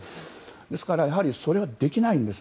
ですからそれはできないんです。